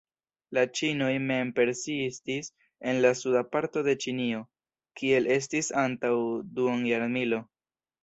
La ĉinoj mem persistis en la suda parto de Ĉinio, kiel estis antaŭ duonjarmilo.